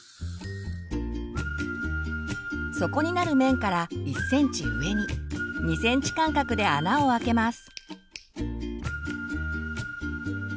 底になる面から１ｃｍ上に２ｃｍ間隔で穴を開けます。